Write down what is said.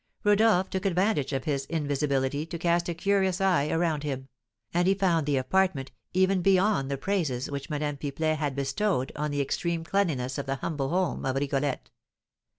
Rodolph took advantage of his invisibility to cast a curious eye around him, and he found the apartment even beyond the praises which Madame Pipelet had bestowed on the extreme cleanliness of the humble home of Rigolette.